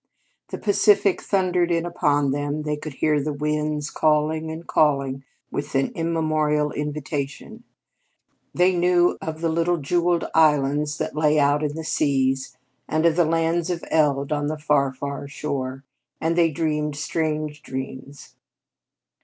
The Pacific thundered in upon them; they could hear the winds, calling and calling with an immemorial invitation; they knew of the little jewelled islands that lay out in the seas and of the lands of eld on the far, far shore; and they dreamed strange dreams.